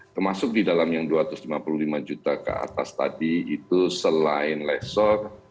termasuk di dalam yang dua ratus lima puluh lima juta ke atas tadi itu selain lesor